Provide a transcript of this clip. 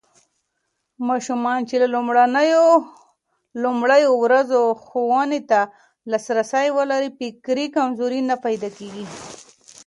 ماشومان چې له لومړيو ورځو ښوونې ته لاسرسی ولري، فکري کمزوري نه پيدا کېږي.